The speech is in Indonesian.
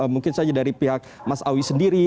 mungkin saja dari pihak mas awi sendiri